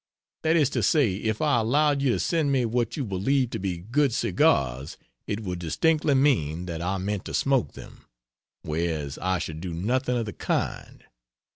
That is to say if I allowed you to send me what you believe to be good cigars it would distinctly mean that I meant to smoke them, whereas I should do nothing of the kind.